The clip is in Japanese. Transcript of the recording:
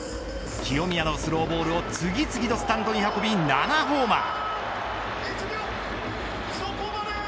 清宮のスローボールを次々とスタンドに運び７ホーマー。